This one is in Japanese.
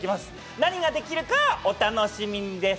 何ができるかはお楽しみにです。